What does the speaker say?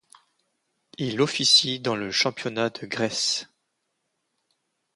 Il officie dans le championnat de Grèce.